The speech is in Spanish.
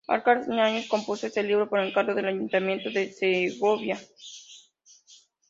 Alcalá Yáñez compuso este libro por encargo del Ayuntamiento de Segovia.